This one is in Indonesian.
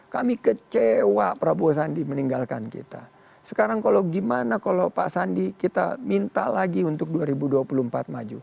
kami kecewa prabowo sandi meninggalkan kita sekarang kalau gimana kalau pak sandi kita minta lagi untuk dua ribu dua puluh empat maju